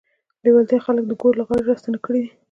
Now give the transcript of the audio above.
لېوالتیا خلک د ګور له غاړې راستانه کړي دي